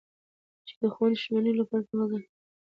چې د خوندي شتمنیو لپاره په تقاضا کې د لنډمهاله زیاتوالي لامل شو.